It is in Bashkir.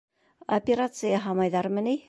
Операция яһамайҙармы ни?